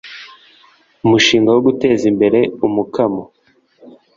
umushinga wo guteza imbere umukamo